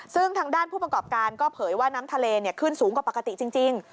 ซึ่งทางด้านผู้ประกอบการก็เผยว่าน้ำทะเลขึ้นสูงกว่าปกติจริง